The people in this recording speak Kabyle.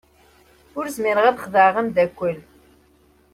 Ur zmireɣ ad xedɛeɣ ameddakel.